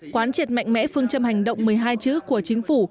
quán triệt mạnh mẽ phương châm hành động một mươi hai chữ của chính phủ